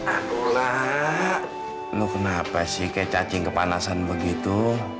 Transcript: akulah lu kenapa sih kayak cacing kepanasan begitu